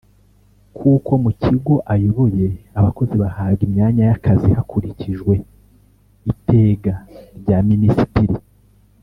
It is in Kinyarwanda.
kuko mu kigo ayoboye abakozi bahabwa imyanya y’akazi hakurikijwe Itega rya Minisitiri